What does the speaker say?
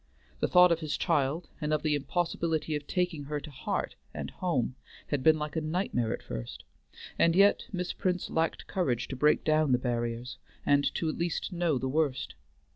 The thought of his child and of the impossibility of taking her to her heart and home had been like a nightmare at first, and yet Miss Prince lacked courage to break down the barriers, and to at least know the worst.